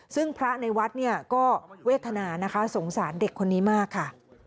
ซึ่งพระในวัดเนี่ยก็เวทนานะคะสงสารเด็กคนนี้มากค่ะ